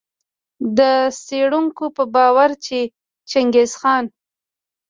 د څېړونکو په باور چي چنګیز خان